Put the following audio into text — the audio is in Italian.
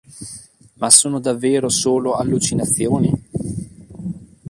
Ma sono davvero solo allucinazioni?